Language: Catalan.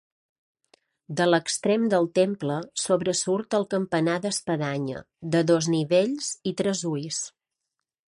De l'extrem del temple sobresurt el campanar d'espadanya, de dos nivells i tres ulls.